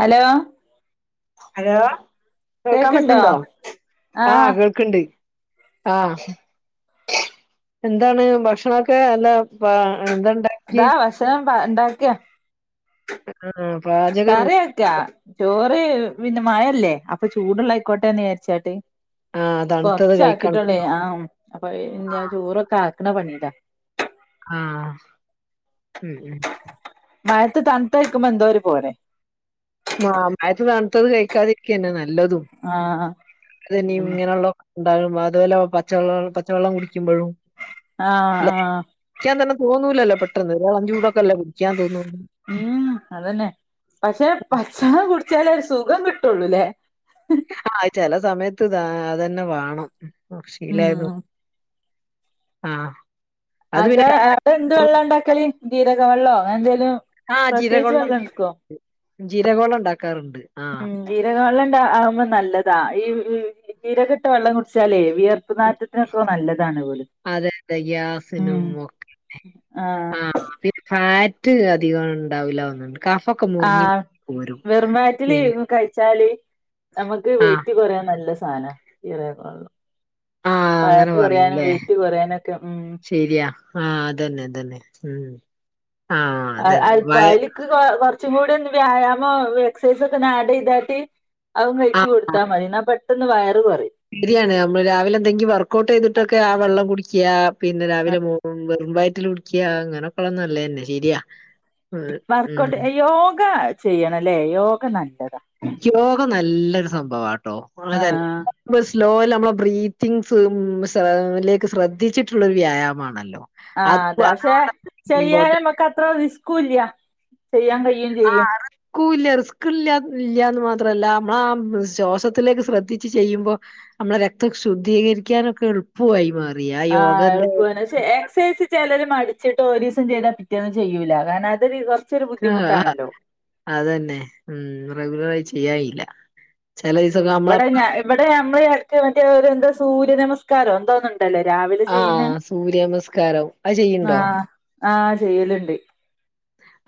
Hello hello കേൾക്കാൻ കേക്ക്ണ്ടോ പറ്റുന്നുണ്ടോ ആഹ് കേൾക്ക് ണ്ട് ആഹ് എന്താണ് ഭക്ഷണൊക്കെ അല്ല എന്തണ്ട ഇതാ ഭക്ഷണം ഉണ്ടാക്കിയ [unintelligible] കറി ചോറ് പിന്നെ മഴല്ലേ അപ്പൊ ചൂടുള്ളായിക്കോട്ടെന്ന് വിചാരിച്ചാട്ട് ആഹ് തണുത്തത് കൊറച്ച കഴിക്കണം ആക്കിട്ടുള്ളേ ആഹ് അപ്പൊഞാൻ ചോറൊക്കെ ആക്കണ പണീല ആഹ് ഉം ഉം മഴത്ത് തണുത്തഴക്കുമ്പോ എന്തോര് പോരെ ആ മഴയത്ത് തണുത്തത് കഴിക്കാതിരിക്കന്നെ നല്ലതും ആഹ് അതനി ഉം ഇങ്ങനെയുള്ള ഉണ്ടാവും അതുപോലെ പച്ചവെള്ളം പച്ചവെള്ളം കുടിക്കുമ്പോഴും ആഹ് ആഹ് കുടിക്കാൻ തന്നെ തോന്നുല്ലല്ലോ പെട്ടെന്ന് ഒരാൾ ചൂടക്കല്ല കുടിക്കാൻ തോന്നു ഉം അതന്നെ പക്ഷെ പച്ചള്ളം കുടിച്ചാലേര് സുഖം കിട്ടുള്ളൂല്ലേ ആഹ് ചില സമയത്ത് അതന്നെ വേണം ഉം ശീലായത് ആഹ് അത് അന്റെ പിന്നെ അവിടെ എന്ത് വെള്ളം ഉണ്ടാക്കല ജീരക വെള്ളമോ അങ്ങനെ എന്തോലും പ്രത്യേകിച്ച് വെള്ളം എടുക്കുവോ ജീരകവള്ളം ഇണ്ടാക്കാറുണ്ട് ആഹ് ജീരക വെള്ളം ഉണ്ട ആകുമ്പോ നല്ലതാ ഈ കീരകെട്ട വെള്ളം കുടിച്ചാലേ വിയർ ഉപ്പനാറ്റത്തിനൊക്കെ നല്ലതാണ് വെള് അതെ, അതെ. ഉം ഗ്യാസിനും ഒക്കെ. ആഹ് ആ പിന്നെ ഫാറ്റ് അധികം ഉണ്ടാവില്ല തോന്ന്ണ്ട് കാഫക്കം ആഹ് വെറും വയ്റ്റില് കഴിച്ചാല് നമുക്ക് ആ, വെയിറ്റ് കുറയാൻ നല്ല സാന ചീറക്കള്ള ആ അങ്ങനെ ഫാറ്റ് കോറയാനും പറയുംല്ലേ. വെയിറ്റ് കോറയാനക്കെ ഉം ശരിയാ ആഹ് അതന്നെ അതന്നെ ഉം ആ അ അതന്നെ. വയ അല്പായാക്ക് കൊറച്ചും കൂടി വ്യായാമം എക്സസൈസക്കെ നാഡ് ചെയ്തട്ട് അഹും ആ കഴിച്ചു കൊടുത്താൽ മതി ന്നാ പെട്ടെന്ന് വയറ് കൊറിം ശരിയാണ് നമ്മള് രാവിലെ എന്തെങ്കും വർക്കഔട്ട് ചെയ്തിട്ടൊക്കെ ആ വെള്ളം കുടിക്ക പിന്നെ രാവിലെ മൂ വെറും വയറ്റിൽ കുടിക്കിയ അങ്ങനെക്കെള്ള ന്നല്ലേ ശരിയാ ഉം. ഉം. വർക്ക്ഔട്ട് യോഗ ചെയ്യണംല്ലേ യോഗ നല്ലതാ യോഗ നല്ലൊരു സംഭവംട്ടോ അതെന്നെ ആഹ് [unintelligible] സ്ലോല് നമ്മെ ബ്രീത്തിങ്സ്ക്ക് മ് ശ്രദ്ധിച്ചിട്ടുള്ളൊരു വ്യായാമാണല്ലോ ആ അത് അതെ വളരെ പക്ഷെ ചെയ്യാല ഇമ്പോർട്ടന്റ് നമക്ക് അത്ര റിസ്കുംല്ല ചെയ്യാൻ കഴിയും ചെയ്യും ക്കുല്ല റിസ്ക്ല്ല ഇല്ലയന്ന് മാത്രല്ല നമ്മള ആ ശ്വാസത്തിലേക്ക് ശ്രദ്ധിച്ച് ചെയ്യുമ്പോ നമ്മള രക്തം ശുദ്ധീകരിക്കാനൊക്കെള്ളൂ പൂവയി മാറിയല് ആഹ് എളുപു ക്ഷെ എക്സസൈസ് ചിലര് മരിച്ചിട്ട് ഓരീസം ചെയ്താ പിറ്റേന്ന് ചെയ്യൂല്ല അതാണ് ഇവർ ആഹാ ഹാ അതന്നെ ഉം റെഗുലറായി ചെയ്യാറില്ല ഉ ഇവിടെ ഞ ഇവിടെ നമ്മള് ഇക്ക് മറ്റേ ഒരു എന്താ സൂര്യ നമസ്കാരം എന്താന്നണ്ട് തല്ലേ രാവിലെ ആ ചെയ്യുന്ന സൂര്യ നമസ്കാരം അത് ചെയ്യ്ണ്ടോ? ആഹ ആഹ ചെയ്യല്ണ്ട്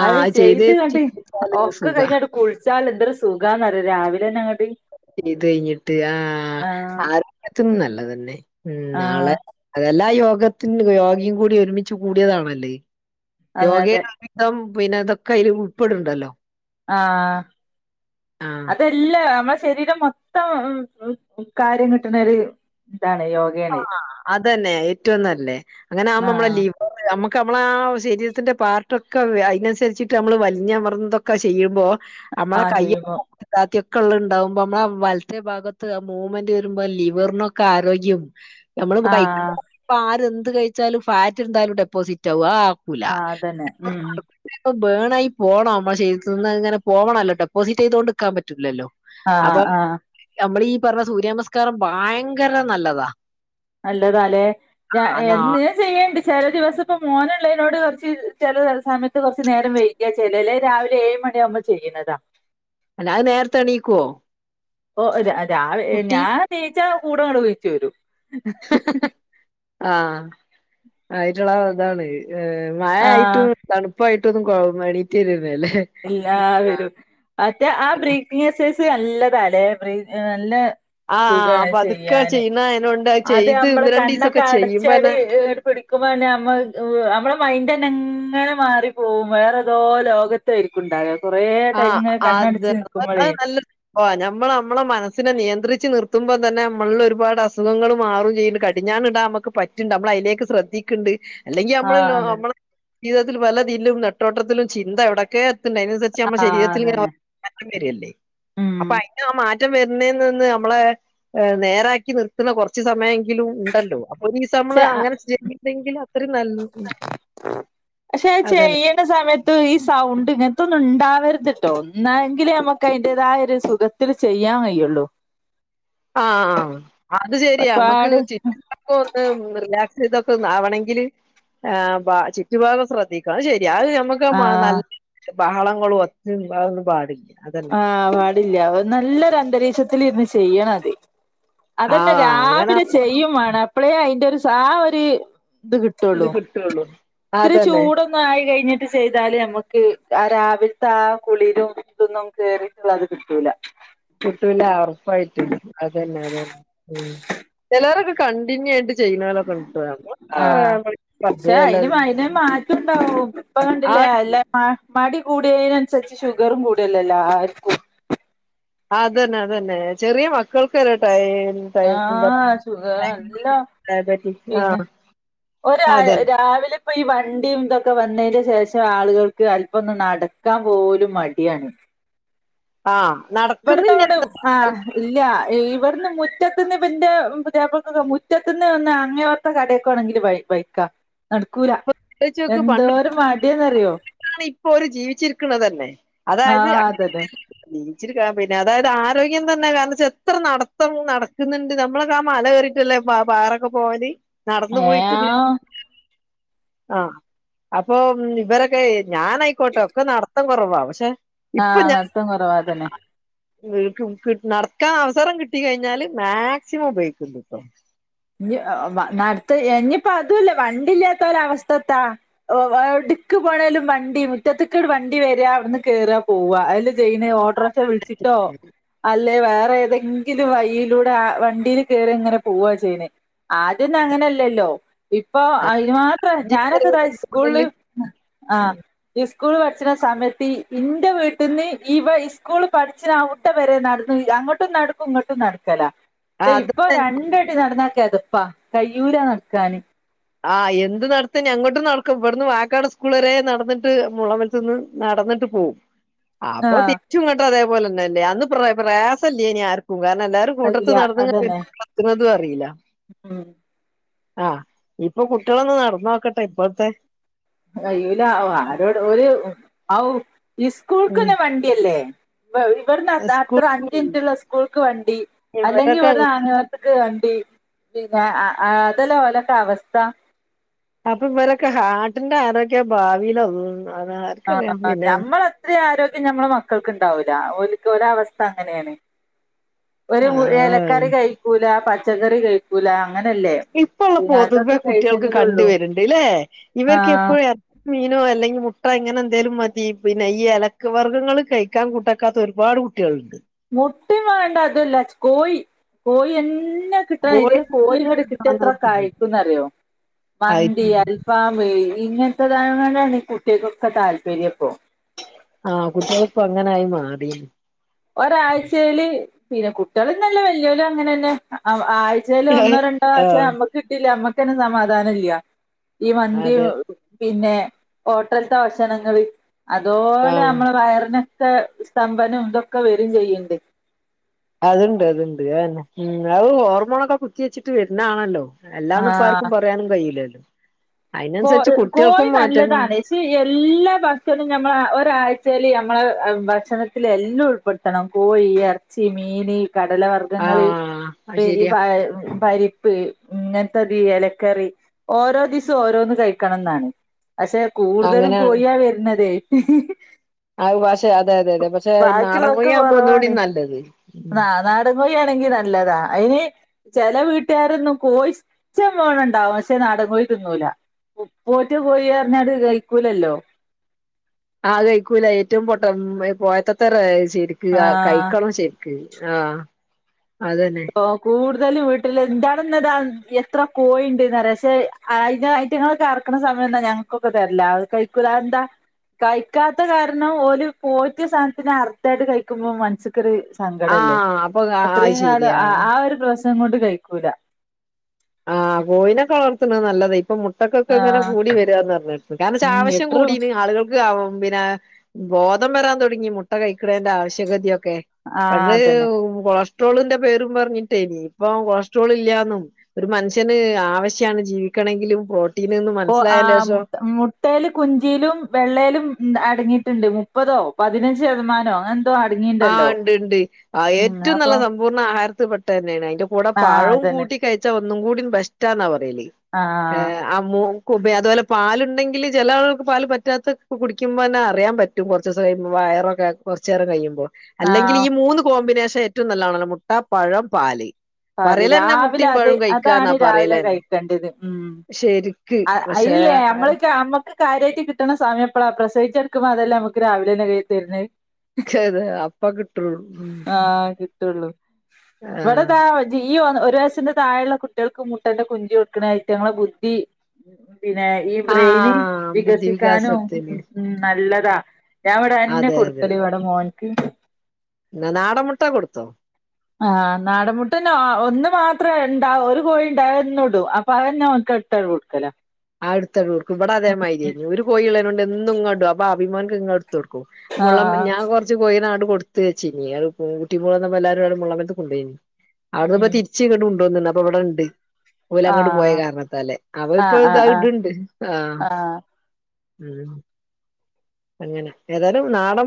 ആ അഹ് അത് ചെയ്ത് കണ്ട് ശീലിച്ചാല് ഒക്കെ സുഖാ. കഴിഞ്ഞട്ട് കുളിച്ചാൽ എന്തരു സുഖാന്ന്റിയ രാവിലെന്നെ അങ്ങോട്ട് ചെയ്ത് കഴിഞ്ഞിട്ട് ആഹ ആഹ് ആരോഗ്യത്തും നല്ലതന്നെ ഉം ആഹ് നാളെ അതെല്ലാ യോഗത്തി യോഗയും കൂടി ഒരുമിച്ച് കൂടിയതാണല്ലേ അഹ് അതെ യോഗയെ അതെ വിതം പിന്നെ ഇതൊക്കെ അയിൽ ഉൾപ്പെടുണ്ടല്ലോ ആഹ ആഹ് അതെ ഇല്ല നമ്മളുടെ ശരീരം മൊത്തം കാര്യം കിട്ടുന്ന ഒരു ഇതാണ് യോഗ ആഹ അതന്നെ ഏറ്റവും നല്ലേ അങ്ങനെ ആവുബോ നമ്മള ആഹ് ലീവ നമ്മുക്ക് നമ്മള ആഹ ശരീരത്തിന്റെ പാർട്ടൊക്കെ അയനനുസരിച്ചിട്ട് നമ്മള് വലിഞ്ഞമൃതൊക്കെ ചെയ്യുമ്പോ നമ്മളെ ആഹ് ചെയ്യുമ്പോ കയ്യക്കെ ഇല്ലാത്തി യൊക്കെള്ള ഉണ്ടാവ്പോ നമ്മള വലത്തെ ഭാഗത്ത് ആ മൂമെന്റ് വരുമ്പോ ലിവറിനൊക്കെ ആരോഗ്യം നമ്മള് കൈ ആഹ് ഇപ്പ ആര് എന്ത് കഴിച്ചാലും ഫാറ്റ് എന്തായാലും ഡെപ്പോസിറ്റ് ആവും ആഹ ക്കുല ആഹ് അതന്നെ ഉം [unintelligible] പ്പ ബേൺ ആയി പോണം നമ്മുടെ സരിരത്തിന്ന് അഹ് ഇങ്ങനെ പോകണല്ലോ ഡെപ്പോസിറ്റ് ചെയ്തെണ്ട് രിക്കാൻ പറ്റില്ലല്ലോ ആഹ് അപ്പൊ ആഹ് നമ്മൾ ഈ പറഞ്ഞ സൂര്യനമസ്കാരം ഭയങ്കര നല്ലതാ നല്ലതലേ ഞാൻ എന്ന് അത് ചെയ്യണ്ട് ചില ദിവസം ഇപ്പ മോനുള്ളതിനോട് കുറച്ച് ചില സമയത്ത് കുറച്ച് നേരം വെയി ക്കാ ചെലരെ രാവിലെ ഏയ് മണിയാകുമ്പോ ചെയ്യന്നതാ അല്ല അഹ് നേരത്തെ എണീക്കുവോ ഓ രാ രാവെ കുട്ടി ഞാൻ നിച്ചാ കൂടങ്ങടെ നിഴിച്ചു വരും ആഹ ആയിട്ടുള്ള ഇതാണ് മായ ആഹ് ആയിട്ടും തണുപ്പായിട്ടൊന്നും കേ എണീ്ട്ട് വരാന്നെ ല്ലേ ഇല്ലാവരും മറ്റേ ആ ബ്രീ പിസ് ഹെസ് സെ സ് നല്ലതല്ലേ നല്ല ആഹ ആഹാ പതുക്കെ ചെയ്ന അയണൊണ്ട് അത നമ്മള് കണ്ണൊക്കെ അടച്ചാട് പിടിക്കുമ്പോ തന്നെ നമ്മ നമ്മളെ മൈൻഡ് തന്നെ ഇങ്ങനെ മാറി പോകും വേറെതോ ലോക ഇരിക്കുംണ്ടാകെ ആഹ് കൊറേടൈമി അത് കണ്ണടച്ച് അത് നിക്കുമ്പോളേ നല്ല ഓ നമ്മൾ നമ്മളെ മനസ്സിനെ നിയന്ത്രിച്ച് നിർത്തുമ്പോൾ തന്നെ നമ്മളിൽ ഒരുപാട് അസുഖങ്ങൾ മാറും ചെയ് കഴും കടിഞ്ഞാൻ ഇടാൻ നമുക്ക് പറ്റുണ്ട് നമ്മള അതിലേക്ക് ശ്രദ്ധിക്കുന്നുണ്ട് അല്ലെങ്കിൽ നമ്മള ആഹ് അതന്നെ നമ്മള ജീവിതത്തിൽ പലതില്ലും നെട്ടോട്ടത്തിലും ചിന്ത ഇവിടൊക്കെ എത്തണ്ട് നമ്മുടെ ആഹ് ശരീരത്തിൽ അതന്നെ ഇങ്ങനെമാറ്റം വരുവല്ലേ ഉം അപ്പൊ അയിന് ആഹ മാറ്റം വരുന്നേ നിന്ന് നമ്മളെ നേരാക്കി നിർത്തുന്ന കൊറച്ചു സമയമെങ്കിലും ഉണ്ടല്ലോ ഒരു ദീസ നമ്മള് പക്ഷെ അങ്ങനെ ചെയ്യുന്നെങ്കിൽ അത്രയും നല്ല പക്ഷെ അതന്നെ ചെയ്യണ സമയത്ത് ഈ സൗണ്ട് ഇങ്ങനത്തൊന്നും ഉണ്ടാവരുത്ട്ടോ ഒന്നെങ്കിലേ നമുക്ക് അതിന്റേതായരു സുഖ ഒത്തിരി ചെയ്യാൻ കയിയുള്ളൂ ആഹ അത് ശരിയാ നമ്മുക്ക് ഒരുപാട് ചി ക്ക ഒന്ന് റിലാക്സ് ചെയ്തൊക്കെ ഒന്നാവണമെങ്കില് ആഹ ചുറ്റുപാഗം ശ്രദ്ധിക്കണം ശരി അത് ഞമക്ക് ഓകെ വാണം ആഹ് നല്ല ബഹളങ്ങളും ഒച്ചണ്ടകനു പാടില്ല അ ആ പാടില്ല നല്ലൊര അന്തരീക്ഷത്തി ഇരുന്ന് ചെയ്യണം അത് അതന്നെ ആഹ് അങ്ങനെ രാവിലെ ആവുമ്പോ ചെയ്യു വേണം അപളേ അയിന്റെ ഒരു സാ ഒരു ഇത് കിട്ടുള്ളൂ. കിട്ടള്ളു ഒത്തിരി ചൂട് ഒന്ന ആയി കഴിഞ്ഞിട്ട് ചെയ്താല് നമുക്ക് ആ രാവിലത്തെ ആ കുളിരും ഇതന്നും കേറി ത് കിട്ടൂല കിട്ടില്ല ഉറപ്പായിട്ടും അതന്നെ ഉ ചിലരൊക്കെ കണ്ടിന്യു ആയിട്ട് ചെയ്യുന്നാലക്കെണ്ടിട്ട ആഹ് പക്ഷെ [unintelligible] ഇപ്പ കണ്ടില്ലേ അല്ല മടി കൂടിയതിനനുസരിച്ച് ഷുഗറും കൂടിയല്ലേ എല്ലാർക്കും അതന്നെ അതന്നെ ചെറിയ മക്കൾക്ക് വരെ ട്ടൈ ആഹ് ഷുഗർ നല്ല [unintelligible] ഡയബറ്റിസ് ആഹ ഒ രാ രാവിലെ ഇപ്പൊ ഈ വണ്ടിയും ഇതൊക്കെ വന്നതിന് ശേഷം ആളുകൾക്ക് അല്പം ഒന്ന് നടക്കാൻ പോലും മടിയാണ്. ആഹ നട ഇവിടുതങ്ങാട് ആഹ ഇല്ല ഇവിടുന്ന് മുറ്റത്തിന്ന് പിന്റെ പുതിയപ്ലകോക്കെ മുറ്റത്തി നിന്ന് വന്ന് അങ്ങ ഇ കടയൊക്കെണെങ്കിൽ ബൈക്ക നടക്കൂല എന്തോരം മടിയന്ന്റിയോ ണ് ഇപ്പോ ഒരു ജീവിച്ചിരിക്കണ തന്നെ ആ അതായത് അതന്നെ ജീവിച്ചിരിക പിന്നെ അതായത് ആരോഗ്യം തന്നെ കാരണം വെച്ചാ എത്ര നടത്തം നടക്കുന്നുണ്ട് നമ്മളകെ മലകേറി ല്ലേ പാറൊക്കെ പോവല് നടന്നു ഏ പോയിട്ട് ആഹ അപ്പൊ ഇവരൊക്കെ ഞാനയിക്കോട്ടെ ഒക്കെ നടത്തം കുറവാ പക്ഷെ ഇപ്പൊ ഞാൻ ആഹ നടത്തം കുറവാതന്നെ നടക്കാൻ അവസരം കിട്ടി കഴിഞ്ഞാല് മാക്സിമം ഉപയോഗിക്കണ്ട് ഇപ്പ ഇ നടത്ത ഇനിയിപ്പോ അതുല്ല വണ്ടി ഇല്ലാത്ത ഒ ാല അവസ്ഥത്താ എവിടക്ക് പോണലും വണ്ടി മുറ്റത്തക്കേട് വണ്ടി വരെ അവിടുന്ന് കേയറാ പോവ അതി ചെയിന് ഓട്ടോറിക്ഷ വിളിച്ചിട്ടോ അല്ലെ വേറെ ഏതെങ്കിലും വൈയിലൂടെ വണ്ടിൽ കയറി ഇങ്ങനെ പോവാ ചെയ്യണേ ആദ്യന്നും അങ്ങനല്ലല്ലോ ഇപ്പൊ അതിനു മാത്ര ഞാനൊക്കെ ഇതാ സ്കൂളില് ആഹ സ്കൂൾ പഠിച്ചണ സമയത്ത് ഇൻ്റെ വീട്ടിൽന്ന് ഇവ സ്കൂള് പഠിച്ചാവ വരെ നടന്ന് അങ്ങോട്ടും നടക്കും ഇങ്ങോട്ടും നടക്കല അത് ഇപ്പൊ രണ്ടടി നടന്നാ കെ തപ്പാ കയ്യൂല നടക്കാന് ആഹ എന്ത് നടത്തെനിം അങ്ങോട്ടും നടക്കും ഇവിടുന്ന് വായക്കാട് സ്കൂള വരെ നടന്നിട്ട് മുള വലത്തന്ന് നടന്നിട്ട് പോകും. അപ്പൊ ആഹ് തിരിച്ചുംങ്ങട്ടോ അതേപോലെന്നെല്ലേ അന്ന് പ്ര പ്രയാസല്ലേനി ആർക്കും കാരണം എല്ലാരും കൂട്ടത്ത് അല്ല നടന്നങ്ങ് അതന്നെ എത്തണതും അറിയില്ല. ഉം ആ. ഇപ്പൊ കുട്ടിയോളൊന്ന് നടന്നോക്കട്ടെ ഇപ്പഴത്തെ. കഴിയൂല. ആരോട് ഒരു അവ് സ്കൂൾക്കുക് ഉം തന്നെ വണ്ടിയല്ലേ. ഇവിടുന്ന് അത്ര സ്കൂൾ അഞ്ചിമിനിറ്റുള്ള ഇസ്കൂൾക്ക് വണ്ടി. അല്ലെങ്കി ഇവരൊക്കെ ഇവിടുന്ന് ആ വണ്ടി പിന്നെ അതെല്ലാം ഓലക്കെ അവസ്ഥ. അപ്പൊ ഇവരൊക്കെ ഹാർട്ടിന്റെ ആരോഗ്യ ഭാവി ലൊന്നും അതാ ആ ഞമ്മളത്രയും ആരോഗ്യം ഞമ്മടെ മക്കൾക്കുണ്ടാവൂല്ല. ഒര്ക്ക് ഒര്ടെ അവസ്ഥ അങ്ങനെയാണ്. ഒര് ആ എലക്കറി കഴിക്കൂല. പച്ചക്കറി കഴിക്കൂല. അങ്ങനല്ലേ. ഇപ്പോള്ള പിന്നെ പൊതുവേ അതൊക്കെ കുട്ടികൾക്ക് കണ്ട് കഴിച്ചെങ്കിലുള്ളൂ വര്ണ്ട്ല്ലേ ആഹ് ഇവർക്കെപ്പോഴും എ മീനോ അല്ലെങ്കിൽ മുട്ട ഇങ്ങനെ എന്തേലും മതി. പിന്നെ എലക്ക വർഗങ്ങള് കഴി ക്കാൻ കൂട്ടാക്കാത്ത ഒരുപാട് കുട്ട്യാള്ണ്ട് മുട്ടിം വാണ്ട തല്ല കോയി കോയെന്നെ കോഴി [unintelligible] കോയി കിട്ട്യാ എത്ര കഴിക്കുന്നറിയോ മന്തി അൽഫാം പ്പി ഇങ്ങൻത്തെതായതോണ്ടാണ് കുട്ട്യാക്കൊക്കെ താല്പര്യംപ്പൊ ആ കുട്ട്യാള്പ്പങ്ങനായി മാറി ഒരാഴ്ച്ചേല് പിന്നെ കുട്ട്യാള്ന്നല്ല വെല്യോലും അങ്ങനെന്നെ ആ ആഴ് ച്ചേല് ഒന്നോ ആഹ് രണ്ടോ പക്ഷേ നമ്മക്ക് കിട്ടില്ലേ നമ്മക്കെന്നെ സമാധാനം ഇല്ല ഈ മന്തിയും അതെ പിന്നെ ഹോട്ടൽത്തെ ഭഷണങ്ങള് അതോലെ ആഹ് നമ്മളെ വയറിന് ക്കെ സ്തംഭനം തൊക്കെ വെരും ചെയ്യ്ണ്ട് അത്ണ്ട് അത്ണ്ട് ഉം അത് ഹോർമോണൊക്കെ കുത്തി വെച്ച്ട്ട് വെര്ണാണല്ലോ അല്ലാന്ന് ആഹ് ഇപ്പാർക്കും പറയാനും കയ്യൂലല്ലോ അയ്നനുസരിച്ച് കുട്ട്യാക്കും മാറ്റങ്ങല് ക്ഷെ എല്ലാ ഭക്ഷണവും ഞമ്മളെ ഒരാഴ്ച്ചേല് ഞമ്മളെ ഭക്ഷണത്തിലെല്ലും ഉൾപ്പെട് ത്തണം കോഴി, എർച്ചി, മീന്, കടലവർഗ്ഗങ്ങള് ആഹ് അത് ഈ പ ശരിയാ പരി പ്പ് ഇങ്ങൻത്തത് എലക്കറി ഓരോ ദിസും ഓരോന്ന് കഴിക്കണംന്നാണ് പക്ഷെ കൂട്തലും അങ്ങനെയാണ് കോയാ വെര്ണതേ ആ പഷെ അതെ അതെ അതെ പക്ഷെ നാടൻകോഴിയാകുമ്പോ ഒന്നൂടി നല്ലത് നാ നാടൻ കോയി ആണെങ്കി നല്ലതാ അയ്ന് ചെല വീട്ട്കാരൊന്നും കോയി ഇഷ്‌ടമ്പോണണ്ടാവും പക്ഷെ നാടൻ കോയി തിന്നൂല പോറ്റിയാ കോയി ർഞ്ഞാല് ദെയ്ക്കൂലല്ലോ ആ ദെയ്ക്കൂല ഏറ്റവും പൊട്ട പോയത്തത്തരാ ശെരിക്ക് ആഹ് കഴിക്കണം ശെരി ആ അതെന്നെ ഓ കൂടുതലും വീട്ടില് ഇന്റാടെന്നതാ എത്ര കോയിണ്ട്ന്ന്റിയോ പക്ഷെ അയ്നെ അയ്ന്റങ്ങളൊക്കെ അർക്ക്ണ സമയത്താ ഞങ്ങക്കൊക്കെ തെര്ല് അത് കഴിക്കൂല അതെന്താ കഴിക്കാത്ത കാരണം ഓര് പോറ്റിയ സാനത്തിനെ അർത്താണ്ട് കയ്ക്കുമ്പോ മൻസ് ക്കൊര് സങ്കടല്ലേ ആഹ് അപ്പൊ അത് അത്രേം കാലം ശരിയാ ആ ആ ഒരു പ്രശ്നം കൊണ്ട് കയ്ക്കൂല ആ കോയിനൊക്കെ വളർത്ത്ണത് നല്ലതാ ഇപ്പൊ മുട്ടക്കൊക്കെ ഇങ്ങനെ ആഹ് കൂടി വെരാന്ന് പർഞ് ന്താച്ച ഉം ആവശ്യം എട്ട്രു കൂടിന് ആളുകൾ സ്സിലാവും പിന്നെ ബോധം വെരാൻ തൊടങ്ങി മുട്ട കഴിക്ക്ണേന്റെ ആവശ്യകതിയൊക്കെ ആഹ് അത് അതന്നെ കൊളസ്ട്രോളിന്റെ പേരും പറഞ്ഞിട്ടേനി ഇപ്പൊ കൊളസ്ട്രോൾ ല്ലാന്നും ഒരു മനുഷ്യന് ആവശ്യാണ് ജീവിക്കണെങ്കിലും പ്രോട്ടീന് ന്ന് മൻസ്സിലായേന്റെഷം ട്ടെല് കുഞ്ചിലും വെള്ളെലും അടങ്ങിയിട്ട്ണ്ട് മുപ്പതോ പതിനഞ്ച് ശതമാനോ അങ്ങനെ ആ ണ്ട് ണ്ട് ആ ഉം ഏറ്റവും അപ്പൊ നല്ല സമ്പൂർണ്ണ ആഹാരത്തിൽ പെട്ടതെന്നെണ് അയ്ന്റെ കൂടെ ആഹ് പഴും അതന്നെ കൂട്ടി കയ് ച്ചാ ഒന്നും കൂടി ബെസ്റ്റാന്നാ പറയല് ആ ആ മോക്കും അതുപോലെ പാല്ണ്ടെങ്കില് ചെലെ ആളുകൾക്ക് പാല് പറ്റാത്ത കുടിക്കുമ്പോന്നെ അറിയാൻ പറ്റും റ്റും കൊർച്ചുസം കയ്യുമ്പോ വയറൊക്ക കൊർച്ചേരം കയ്യുമ്പോ അല്ലെങ്കിലീ ആഹ് മൂന്ന് കോമ്പിനേഷൻ ഏറ്റവും നല്ലതാണല്ലോ മുട്ട, പഴം, പാല് പാല് പറയലന്നെ രാവിലെ മുട്ടയും അത് പഴവും കഴിക്കാന്നാ അതാണ് രാവിലെ പറയലന്നെ കഴിക്കേണ്ടിയെത് ഉം ശരിക്ക് അ പക്ഷെ അയ്ല്ലേ നമ്മൾക്കാമ്മക്ക് കാര്യായിട്ട് കിട്ട്ണ സമയപ്പെളാ പ്രസവിച്ചെട്ക്കുമ്പോ അതെല്ലെ നമ്മക്ക് രാവിലെന്നെ കയ്യി തെര്ണെ ക്കേത് അപ്പം കിട്ട്ള്ളു ആഹ് കിട്ടുള്ളൂ ആ [unintelligible] ഈ ഒരു വയസ്സിന്റെ താഴെള്ള കുട്ട്യാൾക്ക് മുട്ടന്റെ കുഞ്ചി കൊട്ക്ക്ണത് ഐറ്റങ്ങള ബുദ്ധി പിന്നെ ഈ ബ്രെയിന് ആഹ് ബുദ്ധി വികസിക്കാനും വികാസത്തിന് ഉം നല്ലതാ ഞാൻ വടെ അതെന്നെ അതെ കൊട്ക്കല് ഇവടെ മോൻക്ക് നന്ന ആട മുട്ട കൊടുത്തോ ആഹ് നാടമുട്ടന്നെ ഒന്ന് മാത്രം ഇണ്ട ഒരു കോഴി ഉണ്ടാവന്നടൂ അപ്പൊ അതന്നെ വിട്ടോട്ക്കലാ അടുത്തടുൂർക്ക് ഇവിടെ അതേമായിരു ഏന് ഒരു കോഴുള്ളേന കൊണ്ട് എന്നും ഇങ്ങടും അപ്പ അബിമാനക്ക് ഇങ്ങും ആഹ് [unintelligible] കോഴിനാട് കൊടുത്തയ്ച്ചനീ അ കുട്ടി മളന്ന എല്ലരും ആ മത്ത് കൊണ്ടൊയിനി അവിടുന്ന് ഇപ്പ ഉം തിരിച്ച ഇങ്ങോട്ട് കൊണ്ടുവന്നണ്ട് അപ്പ ഇവിടെണ്ട് ഓല അങ്ങോട്ട് പോയ ആഹ് കാരണത്താലെ അവ ആഹ് അപ്പഴത ആഹ് ആഹ് ഇടുണ്ട് ആഹ് അതന്നെ അങ്ങനെ ഏതാലും നാളെ